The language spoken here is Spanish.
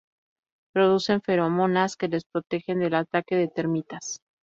Producen feromonas que les protegen del ataque de termitas.